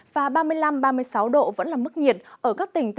và ba mươi năm ba mươi sáu độ vẫn là mức nhiệt